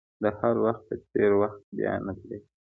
د حال وخت په څېر وخت بیا نه پیدا کېږي.